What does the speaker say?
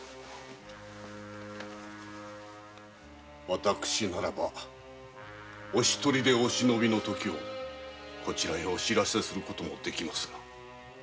私ならばお一人でおしのびの時をこちらへお報せする事もできますが。